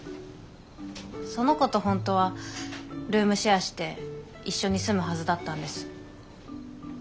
その子と本当はルームシェアして一緒に住むはずだったんです。